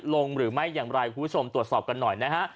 หรือไม่อย่างไรคุณผู้ชมตรวจสอบกันหน่อยนะฮะ